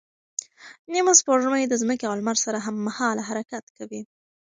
نیمه سپوږمۍ د ځمکې او لمر سره هممهاله حرکت کوي.